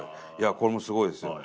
これもすごいですよ。